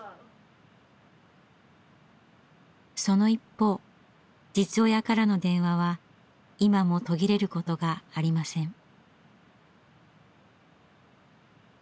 その一方実親からの電話は今も途切れることがありません。